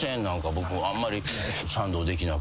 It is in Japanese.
僕あんまり賛同できなくて。